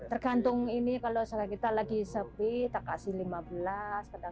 tergantung ini kalau seharga kita lagi sepi kita kasih lima belas kena sepuluh